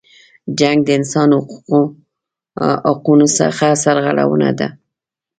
جنګ د انسانی حقونو څخه سرغړونه ده.